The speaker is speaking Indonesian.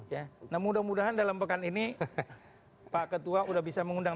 ya nah mudah mudahan dalam pekan ini pak ketua sudah bisa mengundang